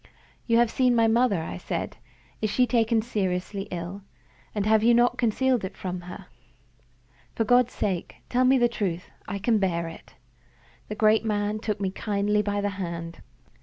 "You have seen my mother," I said. "Is she seriously ill? and have you not concealed it from her? For God's sake, tell me the truth; I can bear it." The great man took me kindly by the hand.